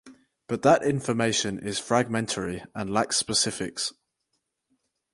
But that information is fragmentary and lacks specifics.